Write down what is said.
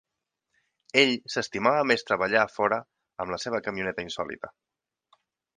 Ell s'estimava més treballar a fora amb la seva camioneta insòlita.